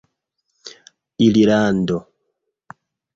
irlando